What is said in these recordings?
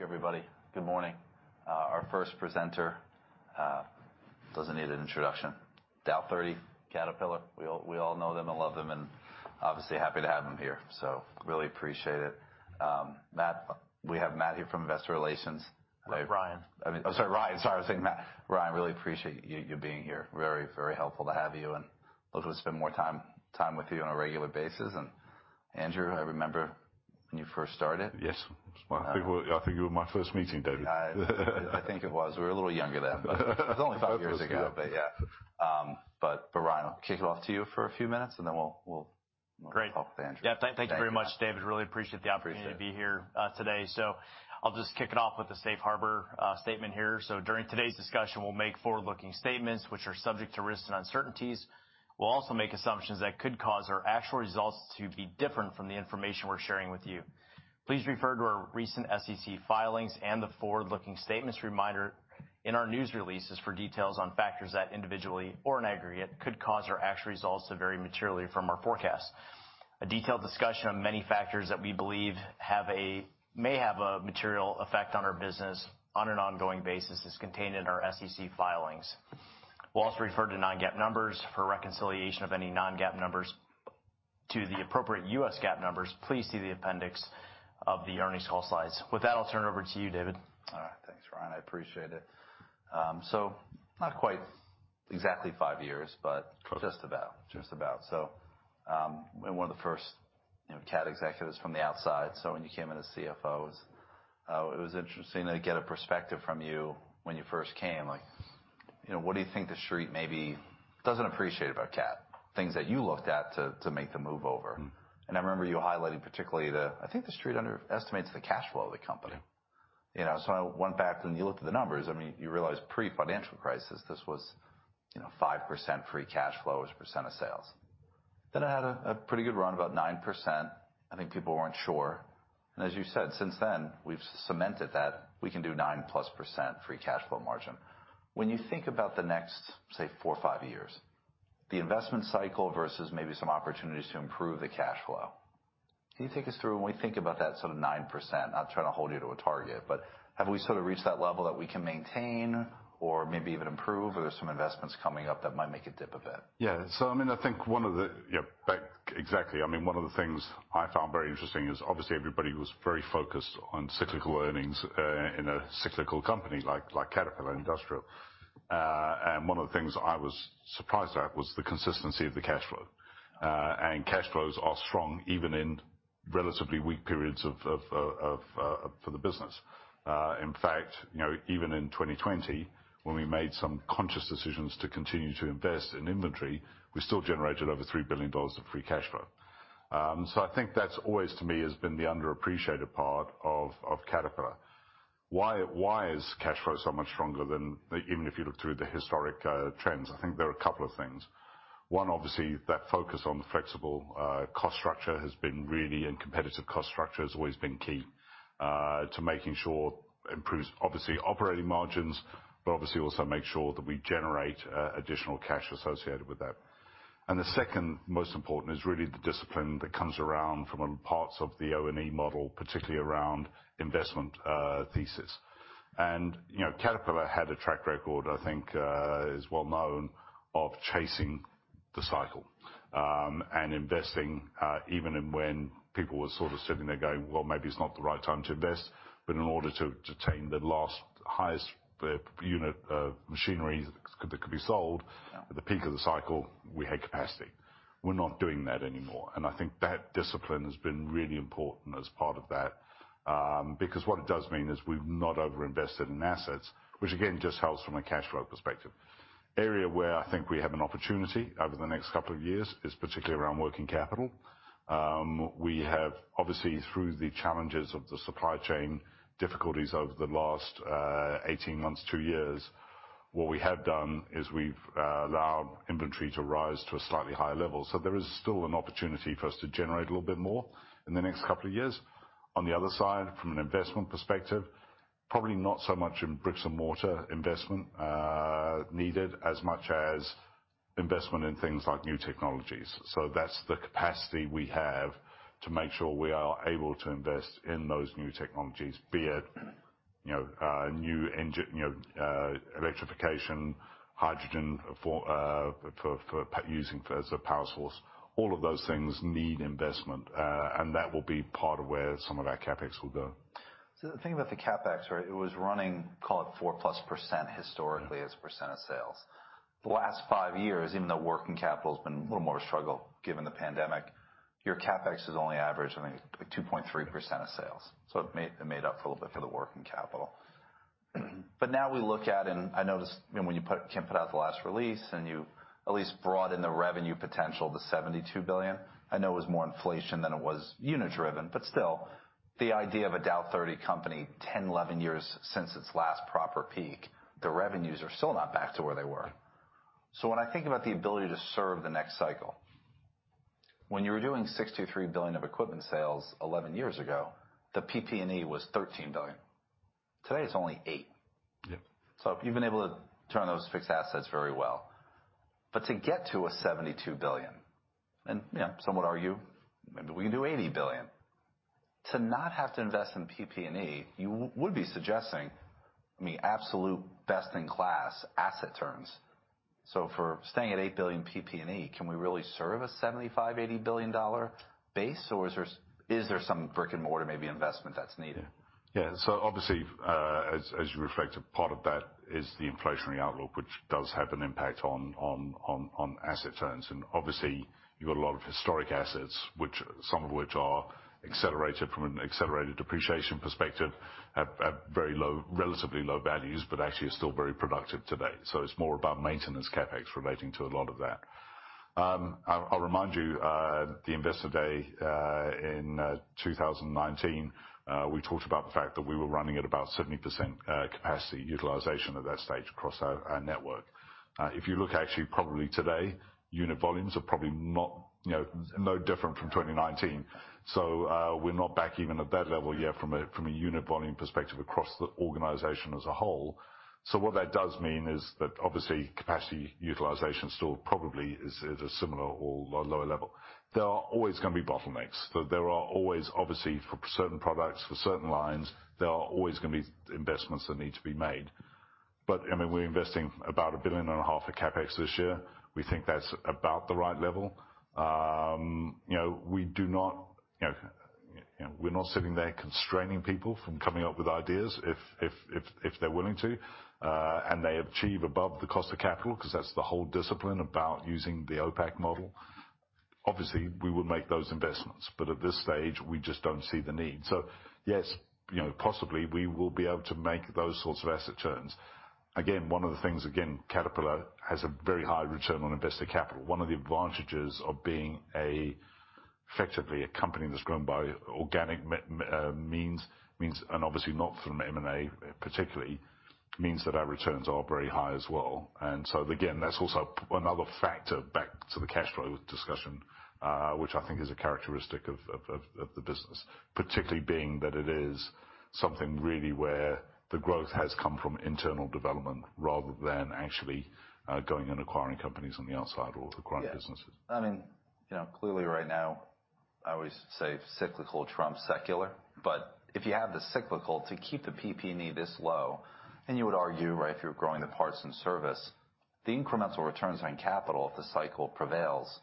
Thank you, everybody. Good morning. Our first presenter, doesn't need an introduction. Dow 30, Caterpillar. We all know them and love them, obviously happy to have him here. Really appreciate it. We have Matt here from investor relations. Ryan. I mean, sorry, Ryan. Sorry, I was saying Matt. Ryan, really appreciate you being here. Very helpful to have you, and look forward to spend more time with you on a regular basis. Andrew, I remember when you first started. Yes. I think you were my first meeting, David. I think it was. We were a little younger then. It was only five years ago. Yeah. Ryan, I'll kick it off to you for a few minutes and then we'll. Great. Talk with Andrew. Yeah. Thank you very much, David. Really appreciate the opportunity- Appreciate it. ...to be here today. I'll just kick it off with the Safe Harbor statement here. During today's discussion, we'll make forward-looking statements which are subject to risks and uncertainties. We'll also make assumptions that could cause our actual results to be different from the information we're sharing with you. Please refer to our recent SEC filings and the forward-looking statements reminder in our news releases for details on factors that individually or in aggregate could cause our actual results to vary materially from our forecast. A detailed discussion of many factors that we believe may have a material effect on our business on an ongoing basis is contained in our SEC filings. We'll also refer to non-GAAP numbers. For reconciliation of any non-GAAP numbers to the appropriate U.S. GAAP numbers, please see the appendix of the earnings call slides. With that, I'll turn it over to you, David. All right. Thanks, Ryan. I appreciate it. Not quite exactly five years. Close ...just about. Just about. And one of the first, you know, CAT executives from the outside. When you came in as CFOs, it was interesting to get a perspective from you when you first came, like, you know, what do you think the Street maybe doesn't appreciate about CAT? Things that you looked at to make the move over. Mm-hmm. I remember you highlighting particularly the, I think the Street underestimates the cash flow of the company. Yeah. You know, I went back and you looked at the numbers. I mean, you realize pre-financial crisis, this was, you know, 5% free cash flow as a percent of sales. It had a pretty good run, about 9%. I think people weren't sure. As you said, since then, we've cemented that we can do 9+% free cash flow margin. When you think about the next, say, 4 or 5 years, the investment cycle versus maybe some opportunities to improve the cash flow. Can you take us through when we think about that sort of 9%? Not trying to hold you to a target, but have we sort of reached that level that we can maintain or maybe even improve, or there's some investments coming up that might make it dip a bit? I mean, I think one of the, you know, back exactly. I mean, one of the things I found very interesting is obviously everybody was very focused on cyclical earnings in a cyclical company like Caterpillar Industrial. One of the things I was surprised at was the consistency of the cash flow. Cash flows are strong even in relatively weak periods of for the business. In fact, you know, even in 2020, when we made some conscious decisions to continue to invest in inventory, we still generated over $3 billion of free cash flow. I think that's always to me has been the underappreciated part of Caterpillar. Why is cash flow so much stronger than even if you look through the historic trends? I think there are a couple of things. One, obviously, that focus on the flexible cost structure has been really, and competitive cost structure has always been key, to making sure improves obviously operating margins, but obviously also make sure that we generate additional cash associated with that. The second most important is really the discipline that comes around from parts of the O&E model, particularly around investment thesis. You know, Caterpillar had a track record, I think, is well known of chasing the cycle, and investing, even in when people were sort of sitting there going, "Well, maybe it's not the right time to invest." In order to attain the last highest unit of machinery that could be sold at the peak of the cycle, we had capacity. We're not doing that anymore. I think that discipline has been really important as part of that, because what it does mean is we've not overinvested in assets, which again, just helps from a cash flow perspective. Area where I think we have an opportunity over the next couple of years is particularly around working capital. We have obviously, through the challenges of the supply chain difficulties over the last 18 months, 2 years, what we have done is we've allowed inventory to rise to a slightly higher level. There is still an opportunity for us to generate a little bit more in the next couple of years. The other side, from an investment perspective, probably not so much in bricks and mortar investment, needed as much as investment in things like new technologies. That's the capacity we have to make sure we are able to invest in those new technologies, be it, you know, electrification, hydrogen for using as a power source. All of those things need investment, and that will be part of where some of our CapEx will go. The thing about the CapEx, right, it was running, call it 4+% historically as percent of sales. The last five years, even though working capital has been a little more of a struggle given the pandemic, your CapEx has only averaged, I think, like 2.3% of sales. It made up for a little bit for the working capital. Mm-hmm. Now we look at, and I noticed when you put, Kim put out the last release and you at least brought in the revenue potential to $72 billion. I know it was more inflation than it was unit-driven, but still, the idea of a Dow 30 company 10, 11 years since its last proper peak, the revenues are still not back to where they were. When I think about the ability to serve the next cycle, when you were doing $63 billion of equipment sales 11 years ago, the PP&E was $13 billion. Today, it's only $8 billion. Yeah. You've been able to turn those fixed assets very well. To get to a $72 billion, and, you know, some would argue, maybe we can do $80 billion. To not have to invest in PP&E, you would be suggesting, I mean, absolute best-in-class asset terms. For staying at $8 billion PP&E, can we really serve a $75 billion-$80 billion dollar base, or is there some brick-and-mortar maybe investment that's needed? Yeah. Obviously, as you reflect, a part of that is the inflationary outlook, which does have an impact on asset terms. Obviously, you got a lot of historic assets, which, some of which are accelerated from an accelerated depreciation perspective, have very low, relatively low values, but actually are still very productive today. It's more about maintenance CapEx relating to a lot of that. I'll remind you, the Investor Day in 2019, we talked about the fact that we were running at about 70% capacity utilization at that stage across our network. If you look actually probably today, unit volumes are probably not, you know, no different from 2019. We're not back even at that level yet from a unit volume perspective across the organization as a whole. What that does mean is that obviously capacity utilization still probably is at a similar or lower level. There are always gonna be bottlenecks. There are always, obviously, for certain products, for certain lines, there are always gonna be investments that need to be made. I mean, we're investing about a billion and a half of CapEx this year. We think that's about the right level. You know, we do not, we're not sitting there constraining people from coming up with ideas if they're willing to and they achieve above the cost of capital 'cause that's the whole discipline about using the OPACC model. Obviously, we will make those investments, but at this stage, we just don't see the need. Yes, you know, possibly we will be able to make those sorts of asset turns. Again, one of the things, again, Caterpillar has a very high return on invested capital. One of the advantages of being a, effectively a company that's grown by organic means and obviously not from M&A particularly, means that our returns are very high as well. Again, that's also another factor back to the cash flow discussion, which I think is a characteristic of the business, particularly being that it is something really where the growth has come from internal development rather than actually going and acquiring companies on the outside or acquiring businesses. Yeah. I mean, you know, clearly right now, I always say cyclical trumps secular. If you have the cyclical to keep the PP&E this low, then you would argue, right, if you're growing the parts and service, the incremental returns on capital, if the cycle prevails,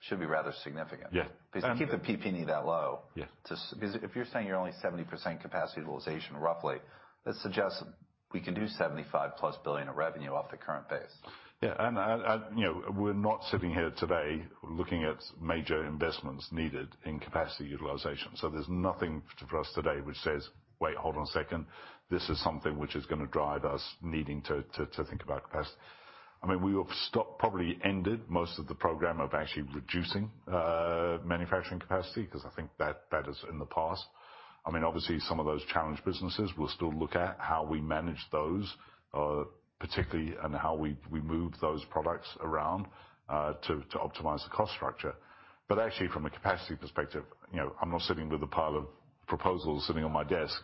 should be rather significant. Yeah. Because to keep the PP&E that low-- Yeah... 'cause if you're saying you're only 70% capacity utilization, roughly, that suggests we can do $75+ billion of revenue off the current base. You know, we're not sitting here today looking at major investments needed in capacity utilization. There's nothing for us today which says, "Wait, hold on a second. This is something which is gonna drive us needing to think about capacity." I mean, we have stopped, probably ended most of the program of actually reducing manufacturing capacity, 'cause I think that is in the past. I mean, obviously, some of those challenged businesses, we'll still look at how we manage those particularly and how we move those products around to optimize the cost structure. Actually, from a capacity perspective, you know, I'm not sitting with a pile of proposals sitting on my desk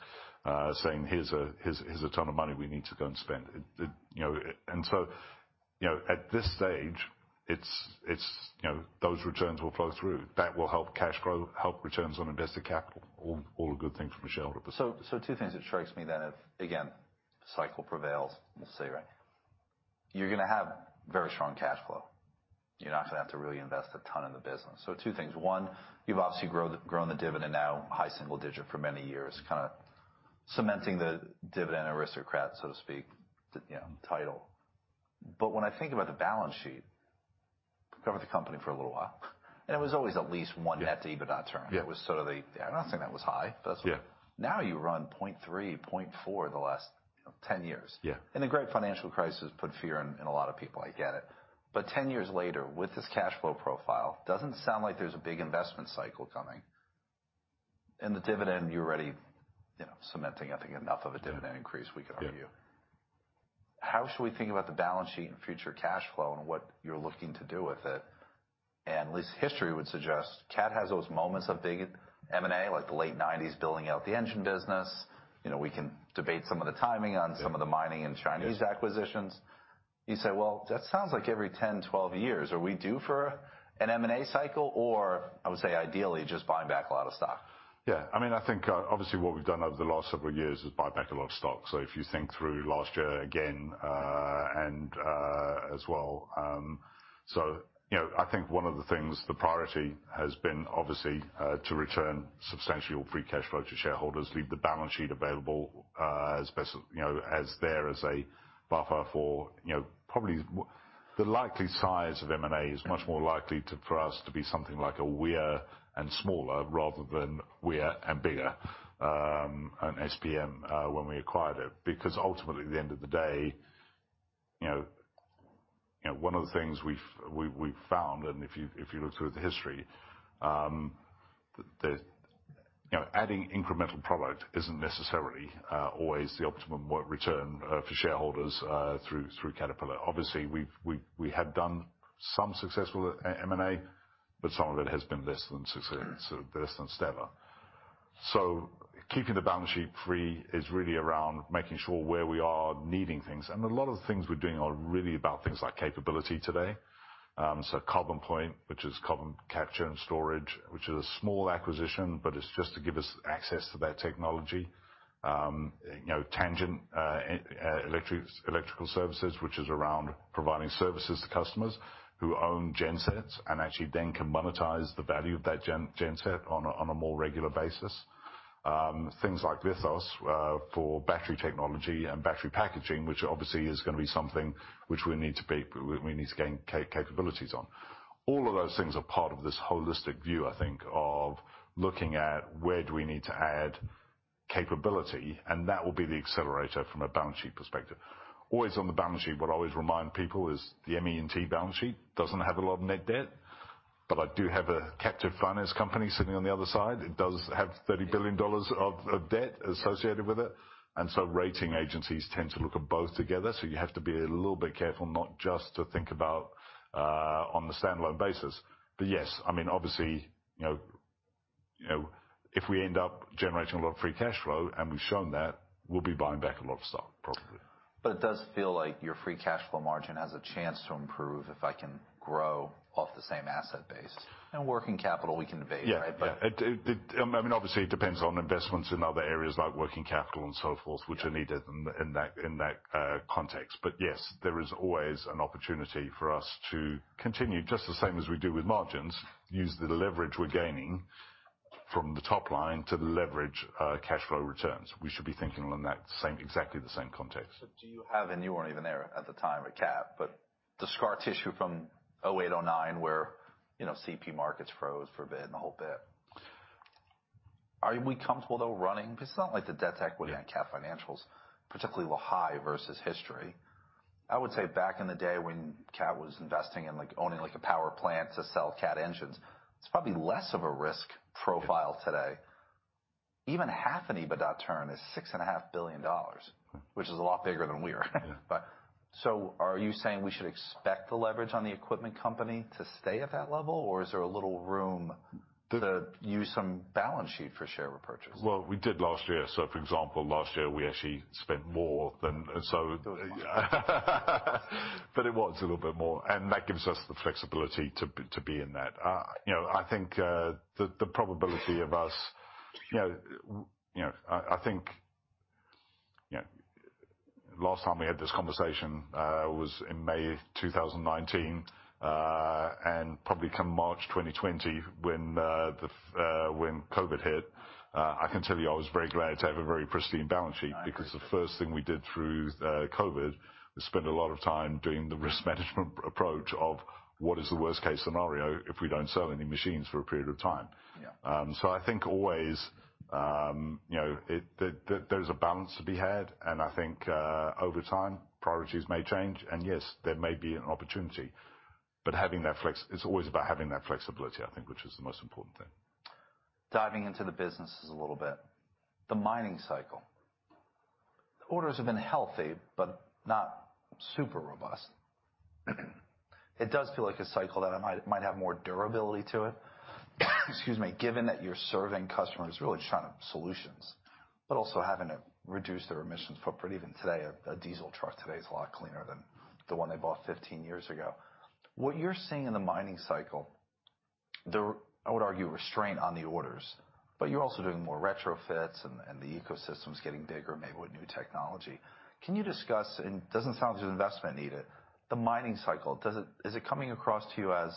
saying, "Here's a ton of money we need to go and spend." It, you know. You know, at this stage, it's, you know, those returns will flow through. That will help cash grow, help returns on invested capital, all good things from a shareholder perspective. Two things it strikes me then if, again, cycle prevails, we'll see, right? You're gonna have very strong cash flow. You're not gonna have to really invest a ton in the business. Two things. One, you've obviously grown the dividend now high single-digit for many years, kinda cementing the Dividend Aristocrat, so to speak, you know, title. When I think about the balance sheet, covered the company for a little while, and it was always at least one half the EBITDA term. Yeah. It was sort of the... I'm not saying that was high. That's- Yeah. Now you run 0.3, 0.4 the last, you know, 10 years. Yeah. The Great Financial Crisis put fear in a lot of people, I get it. 10 years later, with this cash flow profile, doesn't sound like there's a big investment cycle coming. The dividend, you're already, you know, cementing, I think, enough of a dividend increase we can argue. Yeah. How should we think about the balance sheet and future cash flow and what you're looking to do with it? At least history would suggest CAT has those moments of big M&A, like the late 90s, building out the engine business. You know, we can debate some of the timing on some of the mining and Chinese acquisitions. You say, well, that sounds like every 10, 12 years. Are we due for an M&A cycle or I would say ideally just buying back a lot of stock? Yeah. I mean, I think, obviously what we've done over the last several years is buy back a lot of stock. If you think through last year again, and as well, you know, I think one of the things, the priority has been obviously, to return substantial free cash flow to shareholders, leave the balance sheet available, as best, you know, as there is a buffer for, you know, probably The likely size of M&A is much more likely to, for us to be something like a Weir and smaller rather than Weir and bigger, and SPM, when we acquired it. Because ultimately, at the end of the day, you know, one of the things we've found, and if you, if you look through the history, the, you know, adding incremental product isn't necessarily always the optimum return for shareholders through Caterpillar. Obviously, we've done some successful M&A, but some of it has been less than successful, less than stellar. Keeping the balance sheet free is really around making sure where we are needing things. A lot of the things we're doing are really about things like capability today. CarbonPoint, which is carbon capture and storage, which is a small acquisition, but it's just to give us access to that technology. Tangent electrical services, which is around providing services to customers who own gensets and actually then can monetize the value of that genset on a more regular basis. things like Lithos for battery technology and battery packaging, which obviously is gonna be something which we need to gain capabilities on. All of those things are part of this holistic view, I think, of looking at where do we need to add capability, and that will be the accelerator from a balance sheet perspective. Always on the balance sheet, what I always remind people is the ME&T balance sheet doesn't have a lot of net debt, but I do have a captive finance company sitting on the other side. It does have $30 billion of debt associated with it. Rating agencies tend to look at both together, so you have to be a little bit careful not just to think about on the standalone basis. Yes, I mean, obviously, you know, if we end up generating a lot of free cash flow, and we've shown that, we'll be buying back a lot of stock probably. It does feel like your free cash flow margin has a chance to improve if I can grow off the same asset base. Working capital we can debate, right? Yeah. It, I mean, obviously it depends on investments in other areas like working capital and so forth which are needed in that, in that context. Yes, there is always an opportunity for us to continue, just the same as we do with margins, use the leverage we're gaining from the top line to leverage cash flow returns. We should be thinking on that same, exactly the same context. Do you have, and you weren't even there at the time at CAT, but the scar tissue from 2008, 2009, where, you know, CP markets froze for a bit and the whole bit? Are we comfortable though running? 'Cause it's not like the debt to equity- Yeah. -on CAT financials, particularly with high versus history. I would say back in the day when CAT was investing in, like, owning, like, a power plant to sell CAT engines, it's probably less of a risk profile today. Even half an EBITDA turn is $6.5 billion. Mm-hmm. Which is a lot bigger than we are. Yeah. Are you saying we should expect the leverage on the equipment company to stay at that level, or is there a little room to use some balance sheet for share repurchase? We did last year. For example, last year we actually spent more than... It was a little bit more, and that gives us the flexibility to be in that. You know, I think, the probability of us, you know, you know... I think, you know, last time we had this conversation, was in May 2019. Probably come March 2020 when COVID hit, I can tell you I was very glad to have a very pristine balance sheet. I know. The first thing we did through COVID was spend a lot of time doing the risk management approach of what is the worst case scenario if we don't sell any machines for a period of time. Yeah. I think always, you know, There is a balance to be had. I think, over time, priorities may change. Yes, there may be an opportunity. It's always about having that flexibility, I think, which is the most important thing. Diving into the businesses a little bit. The mining cycle. Orders have been healthy but not super robust. It does feel like a cycle that might have more durability to it. Excuse me. Given that you're serving customers really trying to solutions, but also having to reduce their emissions footprint. Even today, a diesel truck today is a lot cleaner than the one they bought 15 years ago. What you're seeing in the mining cycle, the, I would argue, restraint on the orders, but you're also doing more retrofits and the ecosystem's getting bigger maybe with new technology. Can you discuss, and doesn't sound as if investment need it, the mining cycle. Is it coming across to you as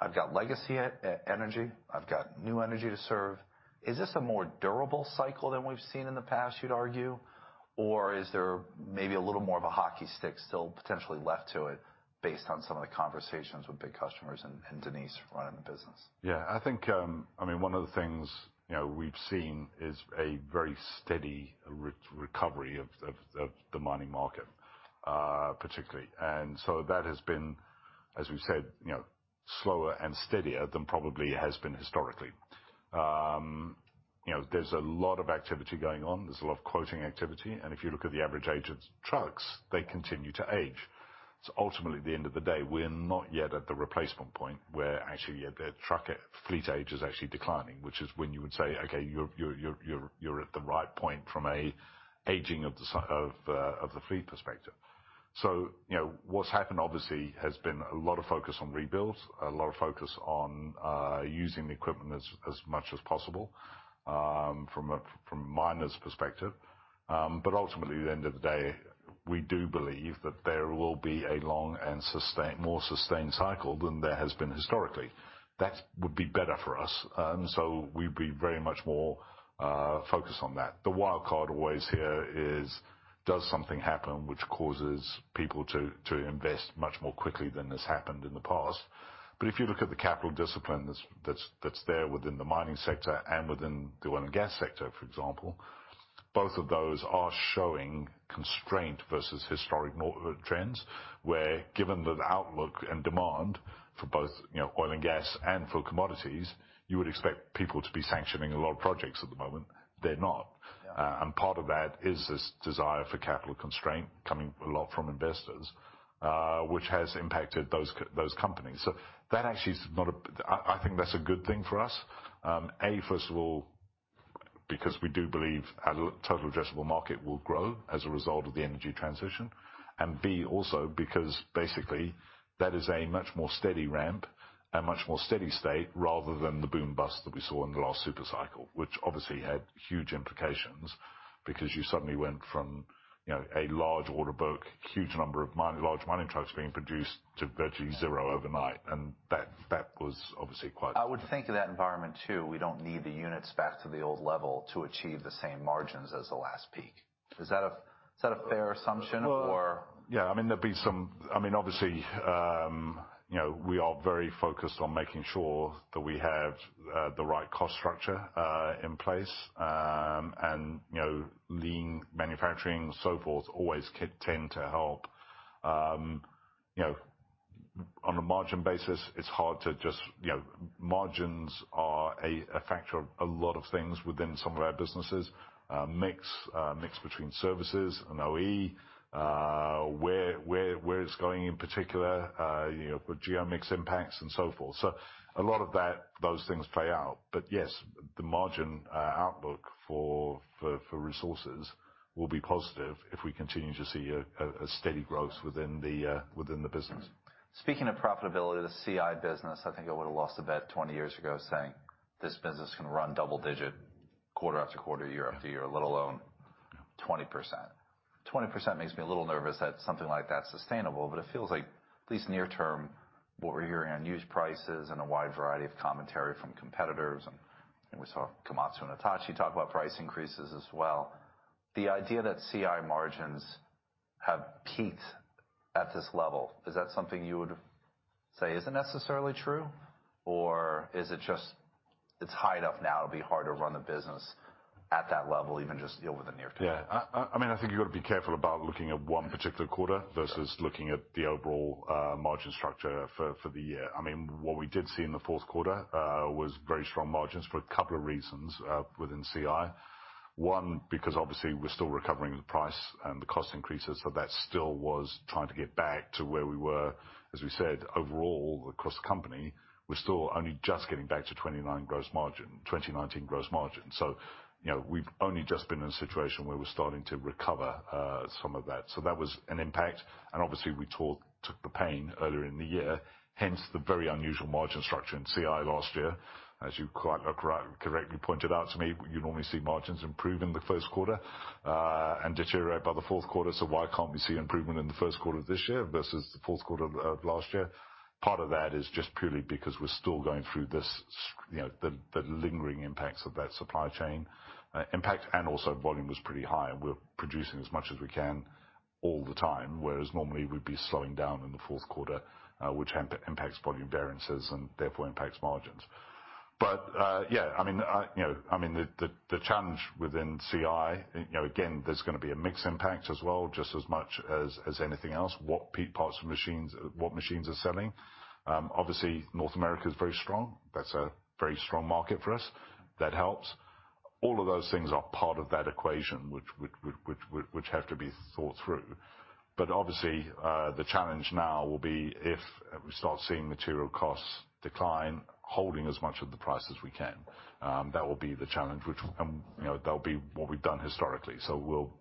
I've got legacy e-energy, I've got new energy to serve? Is this a more durable cycle than we've seen in the past, you'd argue? Is there maybe a little more of a hockey stick still potentially left to it based on some of the conversations with big customers and Denise running the business? Yeah. I think, I mean, one of the things, you know, we've seen is a very steady re-recovery of the mining market, particularly. That has been, as we've said, you know, slower and steadier than probably it has been historically. You know, there's a lot of activity going on. There's a lot of quoting activity, and if you look at the average age of trucks, they continue to age. Ultimately, at the end of the day, we're not yet at the replacement point where actually the truck fleet age is actually declining, which is when you would say, "Okay, you're at the right point from a aging of the fleet perspective." You know, what's happened obviously has been a lot of focus on rebuilds, a lot of focus on using the equipment as much as possible, from a miner's perspective. Ultimately, at the end of the day, we do believe that there will be a long and more sustained cycle than there has been historically. That would be better for us, so we'd be very much more focused on that. The wild card always here is does something happen which causes people to invest much more quickly than has happened in the past? If you look at the capital discipline that's there within the mining sector and within the oil and gas sector, for example, both of those are showing constraint versus historic trends, where given the outlook and demand for both, you know, oil and gas and for commodities, you would expect people to be sanctioning a lot of projects at the moment. They're not. Yeah. Part of that is this desire for capital constraint coming a lot from investors, which has impacted those companies. That actually is not a. I think that's a good thing for us. A, first of all, because we do believe our total addressable market will grow as a result of the energy transition, and B, also, because basically that is a much more steady ramp, a much more steady-state, rather than the boom bust that we saw in the last super cycle. Which obviously had huge implications because you suddenly went from, you know, a large order book, huge number of large mining trucks being produced to virtually zero overnight. That was obviously quite. I would think in that environment too, we don't need the units back to the old level to achieve the same margins as the last peak. Is that a fair assumption or? Yeah. I mean, there'd be some... I mean, obviously, you know, we are very focused on making sure that we have the right cost structure in place. You know, lean manufacturing and so forth always tend to help. You know, on a margin basis, it's hard to just, you know... Margins are a factor of a lot of things within some of our businesses. Mix, mix between services and OE, where it's going in particular, you know, with geo-mix impacts and so forth. A lot of that, those things play out. Yes, the margin outlook for resources will be positive if we continue to see a steady growth within the business. Speaking of profitability of the CI business, I think I would have lost a bet 20 years ago saying, "This business can run double-digit quarter after quarter, year after year, let alone 20%." 20% makes me a little nervous that something like that's sustainable. It feels like at least near-term, what we're hearing on used prices and a wide variety of commentary from competitors, and we saw Komatsu and Hitachi talk about price increases as well. The idea that CI margins have peaked at this level, is that something you would say isn't necessarily true or is it just, it's high enough now it'll be hard to run the business at that level, even just over the near-term? Yeah. I mean, I think you've got to be careful about looking at one particular quarter. Sure... versus looking at the overall, margin structure for the year. I mean, what we did see in the fourth quarter, was very strong margins for a couple of reasons, within CI. One, because obviously we're still recovering the price and the cost increases, so that still was trying to get back to where we were, as we said, overall across the company. We're still only just getting back to 29 gross margin, 2019 gross margin. You know, we've only just been in a situation where we're starting to recover, some of that. That was an impact, and obviously we took the pain earlier in the year, hence the very unusual margin structure in CI last year. As you quite correctly pointed out to me, you normally see margins improve in the first quarter and deteriorate by the fourth quarter. Why can't we see improvement in the first quarter of this year versus the fourth quarter of last year? Part of that is just purely because we're still going through this you know, the lingering impacts of that supply chain impact, and also volume was pretty high and we're producing as much as we can all the time, whereas normally we'd be slowing down in the fourth quarter, which impacts volume variances and therefore impacts margins. Yeah, I mean, I, you know. I mean the challenge within CI, you know, again, there's gonna be a mix impact as well, just as much as anything else. What peak parts from machines, what machines are selling. Obviously North America is very strong. That's a very strong market for us. That helps. All of those things are part of that equation which have to be thought through. Obviously, the challenge now will be if we start seeing material costs decline, holding as much of the price as we can. That will be the challenge which will come. You know, that'll be what we've done historically. We'll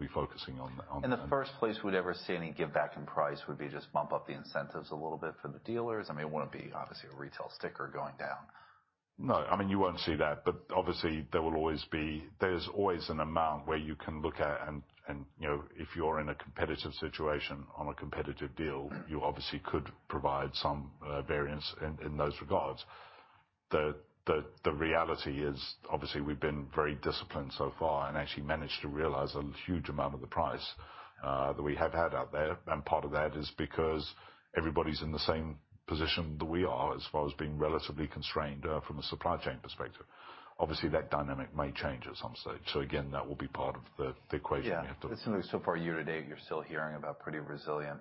be focusing on that. In the first place, would ever see any give back in price would be just bump up the incentives a little bit for the dealers? I mean, it wouldn't be obviously a retail sticker going down. No. I mean, you won't see that, but obviously there's always an amount where you can look at and, you know, if you're in a competitive situation on a competitive deal. Mm-hmm... you obviously could provide some variance in those regards. The reality is obviously we've been very disciplined so far and actually managed to realize a huge amount of the price that we have had out there, and part of that is because everybody's in the same position that we are as far as being relatively constrained from a supply chain perspective. Obviously, that dynamic may change at some stage. Again, that will be part of the equation we have to look at. Yeah. It seems so far year to date, you're still hearing about pretty resilient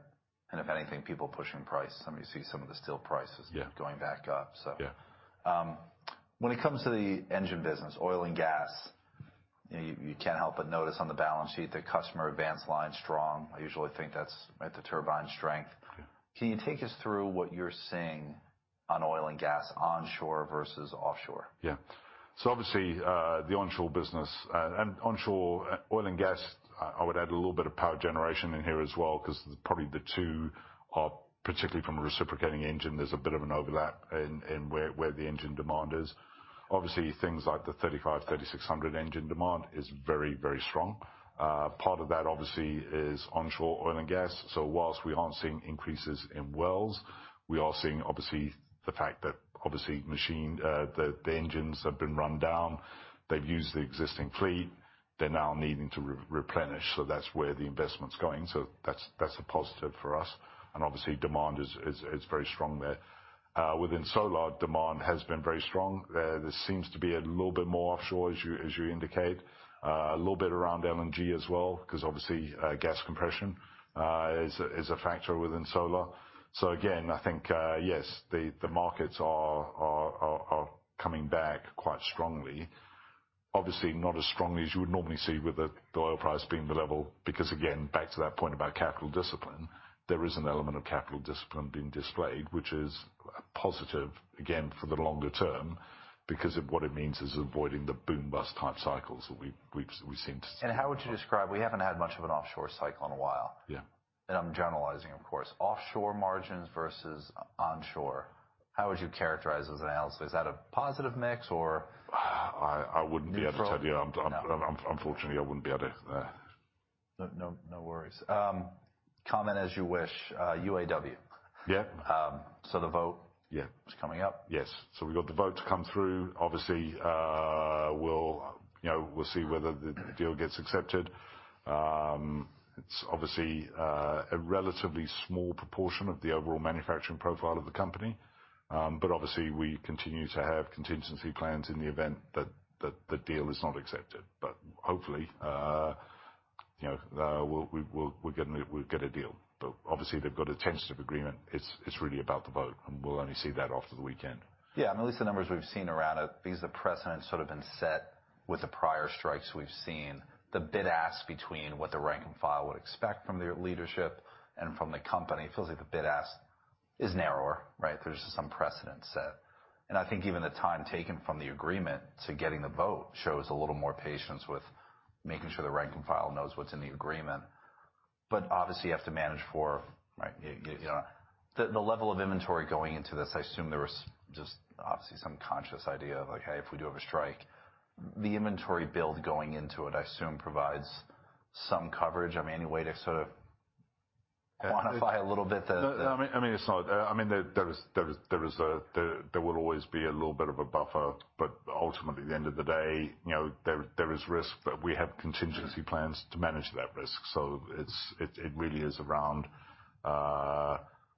and if anything, people pushing price. I mean, you see some of the steel prices- Yeah... going back up, so. Yeah. When it comes to the engine business, oil and gas, you can't help but notice on the balance sheet, the customer advance line's strong. I usually think that's at the Turbine strength. Yeah. Can you take us through what you're seeing on oil and gas onshore versus offshore? Yeah. Obviously, the onshore business, and onshore oil and gas, I would add a little bit of power generation in here as well 'cause probably the two are, particularly from a reciprocating engine, there's a bit of an overlap in where the engine demand is. Obviously things like the 3500 and 3600 series engine demand is very, very strong. Part of that obviously is onshore oil and gas. Whilst we aren't seeing increases in wells, we are seeing obviously the fact that obviously machine, the engines have been run down, they've used the existing fleet, they're now needing to replenish, that's where the investment's going. That's a positive for us. Obviously demand is very strong there. Within Solar, demand has been very strong. There seems to be a little bit more offshore as you indicate. A little bit around LNG as well, 'cause obviously, gas compression is a factor within Solar. Again, I think, yes, the markets are coming back quite strongly. Obviously, not as strongly as you would normally see with the oil price being the level because again, back to that point about capital discipline, there is an element of capital discipline being displayed, which is positive again for the longer term because of what it means is avoiding the boom-bust type cycles that we seem to. We haven't had much of an offshore cycle in a while. Yeah. I'm generalizing, of course, offshore margins versus onshore. How would you characterize as an analyst? Is that a positive mix or... I wouldn't be able to tell you. Neutral? No. I'm, unfortunately, I wouldn't be able to. No, no worries. comment as you wish. UAW. Yeah. Um, so the vote- Yeah ...is coming up. We've got the vote to come through. Obviously, we'll, you know, we'll see whether the deal gets accepted. It's obviously, a relatively small proportion of the overall manufacturing profile of the company. Obviously we continue to have contingency plans in the event that the deal is not accepted. Hopefully, you know, we'll get a deal. Obviously they've got a tentative agreement. It's, it's really about the vote, and we'll only see that after the weekend. Yeah. I mean, at least the numbers we've seen around it, because the precedent's sort of been set with the prior strikes we've seen, the bid ask between what the rank and file would expect from their leadership and from the company, it feels like the bid ask is narrower, right? There's some precedent set. I think even the time taken from the agreement to getting the vote shows a little more patience with making sure the rank and file knows what's in the agreement. Obviously, you have to manage for, right, you know. The level of inventory going into this, I assume there was just obviously some conscious idea of like, hey, if we do have a strike, the inventory build going into it, I assume provides some coverage. I mean, any way to sort of quantify a little bit the- No, I mean, it's not. I mean, there is, there will always be a little bit of a buffer. Ultimately, at the end of the day, you know, there is risk that we have contingency plans to manage that risk. It really is around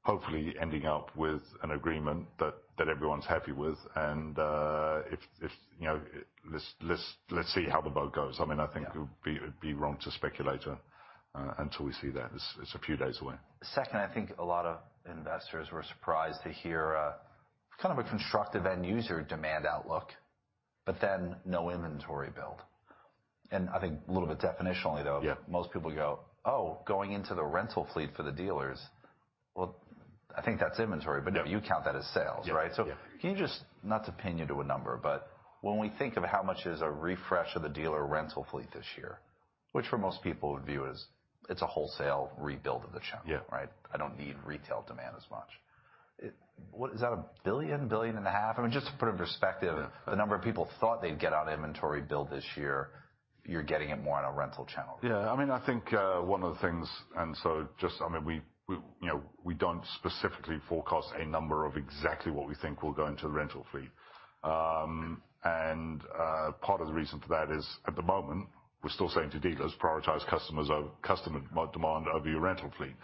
hopefully ending up with an agreement that everyone's happy with. If, you know, let's see how the vote goes. I mean, I think it would be wrong to speculate until we see that. It's a few days away. Second, I think a lot of investors were surprised to hear, kind of a constructive end user demand outlook, but then no inventory build. I think a little bit definitionally. Yeah ...most people go, "Oh, going into the rental fleet for the dealers." Well, I think that's inventory. No. You count that as sales, right? Yeah. Can you just, not to pin you to a number, but when we think of how much is a refresh of the dealer rental fleet this year, which for most people would view as it's a wholesale rebuild of the channel? Yeah ...right? I don't need retail demand as much. Is that $1 billion, a billion and a half? I mean, just to put it in perspective, the number of people thought they'd get out of inventory build this year, you're getting it more on a rental channel. Yeah. I mean, I think, one of the things, and so just, we, you know, we don't specifically forecast a number of exactly what we think will go into the rental fleet. Part of the reason for that is, at the moment, we're still saying to dealers, prioritize customers of customer demand over your rental fleet.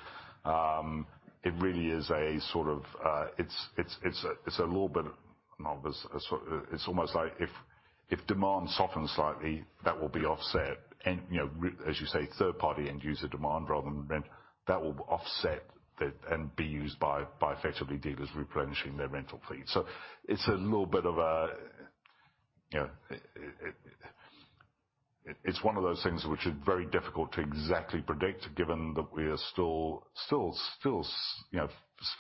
It really is a sort of, it's a little bit of-- It's almost like if demand softens slightly, that will be offset. You know, as you say, third party end user demand rather than rent, that will offset the, and be used by effectively dealers replenishing their rental fleet. It's a little bit of a, you know. It's one of those things which is very difficult to exactly predict given that we are still you know,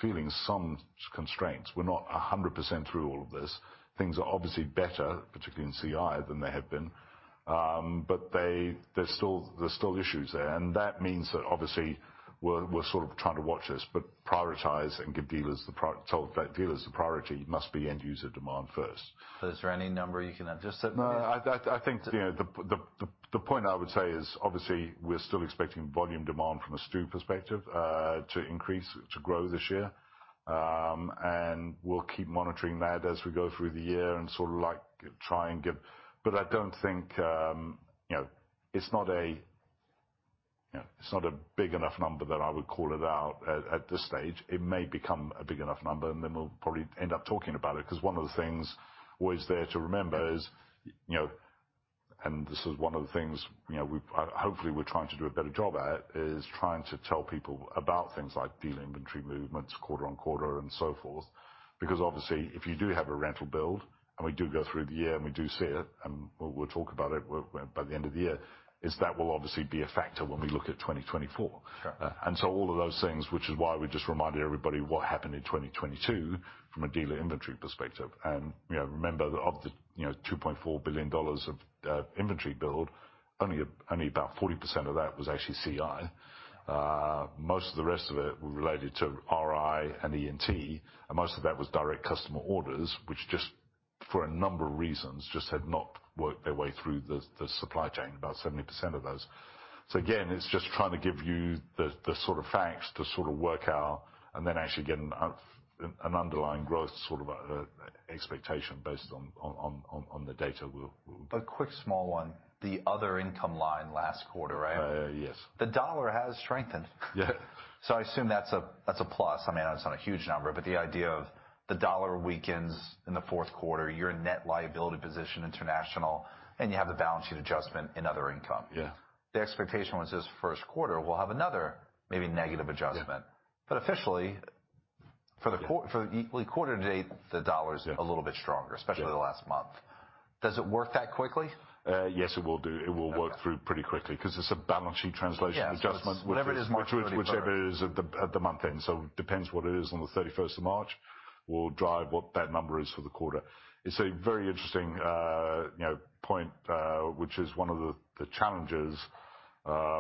feeling some constraints. We're not 100% through all of this. Things are obviously better, particularly in CI than they have been, but there's still issues there. That means that obviously we're sort of trying to watch this, but prioritize and tell dealers the priority must be end user demand first. Is there any number you can adjust that? No, I think, you know, the point I would say is obviously we're still expecting volume demand from a STU perspective to increase, to grow this year. We'll keep monitoring that as we go through the year and sort of like try and give. I don't think, you know, it's not a, you know, it's not a big enough number that I would call it out at this stage. It may become a big enough number, and then we'll probably end up talking about it. 'Cause one of the things always there to remember is, you know, and this is one of the things, you know, hopefully we're trying to do a better job at, is trying to tell people about things like dealer inventory movements quarter-on-quarter and so forth. Obviously, if you do have a rental build, and we do go through the year and we do see it, and we'll talk about it by the end of the year, is that will obviously be a factor when we look at 2024. Sure. All of those things, which is why we just reminded everybody what happened in 2022 from a dealer inventory perspective. You know, remember that of the, you know, $2.4 billion of inventory build, only about 40% of that was actually CI. Most of the rest of it related to RI and ENT, and most of that was direct customer orders, which just for a number of reasons, just had not worked their way through the supply chain, about 70% of those. Again, it's just trying to give you the sort of facts to sort of work out and then actually get an underlying growth sort of expectation based on the data we're. A quick small one. The other income line last quarter, right? Yes. The dollar has strengthened. Yeah. I assume that's a plus. I mean, it's not a huge number, but the idea of the dollar weakens in the fourth quarter, your net liability position international, and you have the balance sheet adjustment in other income. Yeah. The expectation was this first quarter, we'll have another maybe negative adjustment. Yeah. officially, for the like quarter to date, the dollar's a little bit stronger. Yeah ...especially the last month. Does it work that quickly? Yes, it will do. Okay. It will work through pretty quickly 'cause it's a balance sheet translation adjustment. Yeah. It's whatever it is March 31st. whichever it is at the, at the month end. Depends what it is on the 31st of March will drive what that number is for the quarter. It's a very interesting, you know, point, which is one of the challenges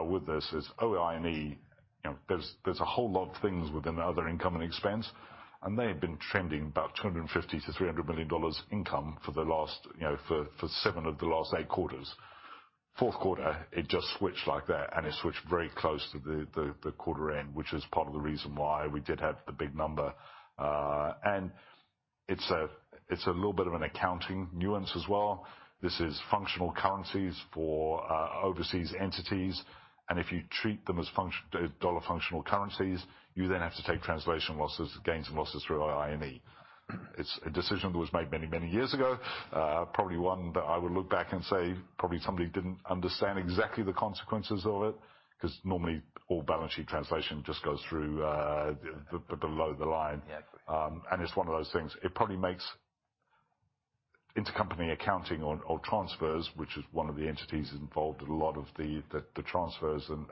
with this is OINE. You know, there's a whole lot of things within the other income and expense, and they have been trending about $250 million-$300 million income for the last, you know, for seven of the last eight quarters. Fourth quarter, it just switched like that, and it switched very close to the quarter end, which is part of the reason why we did have the big number. It's a little bit of an accounting nuance as well. This is functional currencies for overseas entities. If you treat them as dollar functional currencies, you then have to take translation losses, gains and losses through OINE. It's a decision that was made many, many years ago. Probably one that I would look back and say probably somebody didn't understand exactly the consequences of it, 'cause normally all balance sheet translation just goes through the below the line. Yeah. Agree. It's one of those things. It probably makes intercompany accounting on transfers, which is one of the entities involved in a lot of the transfers and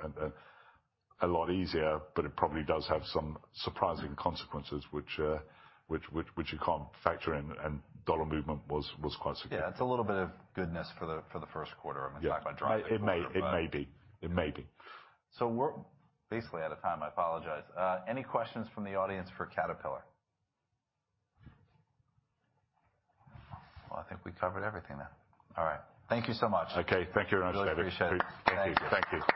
a lot easier, but it probably does have some surprising consequences which you can't factor in, and dollar movement was quite significant. Yeah. It's a little bit of goodness for the, for the first quarter. I mean, talking about driving forward, but- It may be. It may be. We're basically out of time. I apologize. Any questions from the audience for Caterpillar? I think we covered everything then. All right. Thank you so much. Okay. Thank you very much, David. Really appreciate it. Thank you. Thank you.